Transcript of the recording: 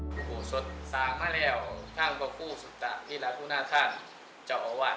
ผู้สดสางมาแล้วทางพระคู่สุธาพิราคุณธานเจ้าอาวาส